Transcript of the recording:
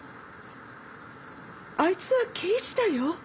あいつは刑事だよ。